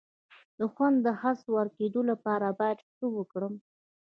د خوند د حس د ورکیدو لپاره باید څه وکړم؟